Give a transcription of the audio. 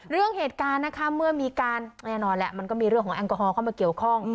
เรื่องเหตุการณ์นะคะเมื่อมีการแน่นอนแหละมันก็มีเรื่องของแอลกอฮอลเข้ามาเกี่ยวข้อง